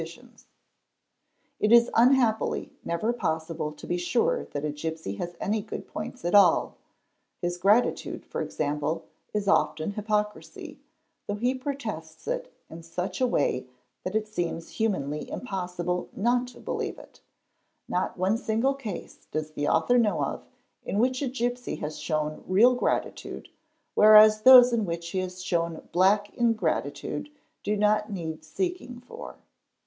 Nid AS A RA i lie It is unhappily never possible to be sure that a gipsy has any good points at all; his gratitude, for example, is often hypocrisy, though he protests it in such a way that it seems humanly impossible not to believe in it: not one single case does the author know of in which a gipsy has shown real gratitude, whereas those in which he has shown black ingratitude do not need seeking for.